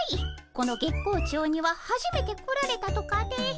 この月光町にははじめて来られたとかで。